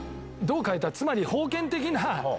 つまり。